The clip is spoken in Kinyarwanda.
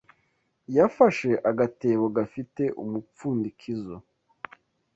Yafashe agatebo gafite umupfundikizo